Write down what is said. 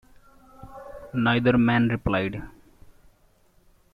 Neither man replied.